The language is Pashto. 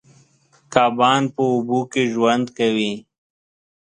کبان په اوبو کې ژوند کوي.